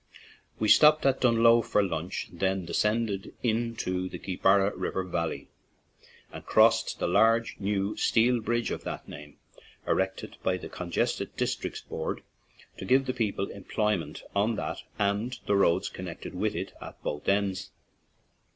We stopped at Dunlow for lunch and then descended into the Gwee barra River valley and crossed the large, new steel bridge of that name, erected by the Congested Districts Board to give the people employment on that and the roads connecting with it at both ends.